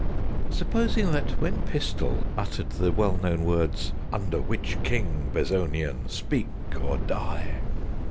Supposing that, when Pistol uttered the well known words "Under which king, Bezonian? Speak or die!"